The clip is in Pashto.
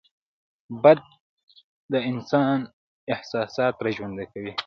باد د انسان احساسات راژوندي کوي